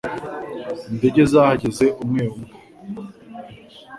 Indege zahageze umwe umwe